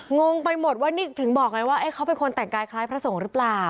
งงไปหมดว่านี่ถึงบอกไงว่าเขาเป็นคนแต่งกายคล้ายพระสงฆ์หรือเปล่า